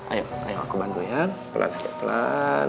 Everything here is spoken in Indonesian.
ayo ayo aku bantu ya pelan pelan